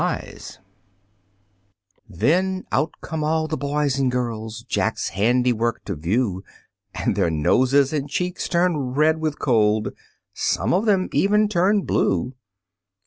Then out come all the boys and girls, Jack's handiwork to view, And their noses and cheeks turn red with cold, Some of them even turn blue.